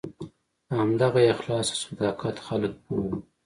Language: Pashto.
په همدغه اخلاص او صداقت خلک پوه وو.